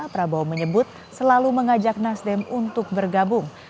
prabowo menyebut selalu mengajak nasdem untuk bergabung